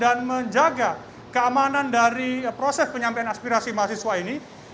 dan menjaga keamanan dari proses penyampaian aspirasi mahasiswa ini